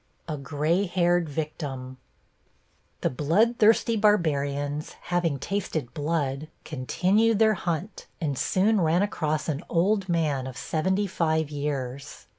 +A GRAY HAIRED VICTIM+ The bloodthirsty barbarians, having tasted blood, continued their hunt and soon ran across an old man of seventy five years.